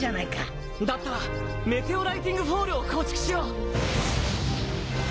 世辰燭メテオライティングフォールを構築しよう！